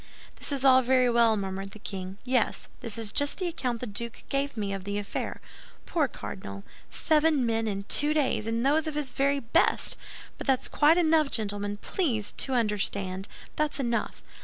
"This is all very well," murmured the king, "yes, this is just the account the duke gave me of the affair. Poor cardinal! Seven men in two days, and those of his very best! But that's quite enough, gentlemen; please to understand, that's enough.